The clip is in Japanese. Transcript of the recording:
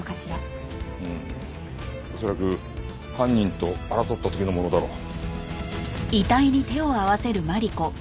うん恐らく犯人と争った時のものだろう。